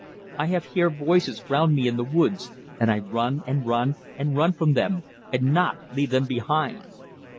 I have hear voices round me in the woods, and I run and run and run from them, and not leave them behind.